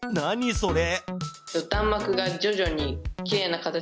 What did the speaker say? それ。